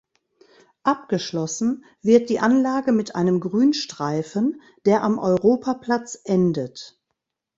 Abgeschlossen wird die Anlage mit einem Grünstreifen, der am Europaplatz endet.